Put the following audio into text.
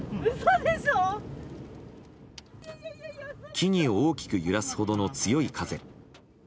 木々を大きく揺らすほどの強い風。